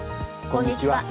こんにちは。